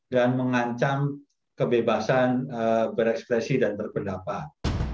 dan mengancam kebebasan berekspresi dan berpendapat